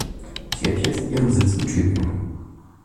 Sie hat jetzt ihren Sitz in Tübingen.